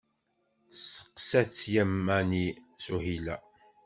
Testeqqsa-tt Yamani Suhila.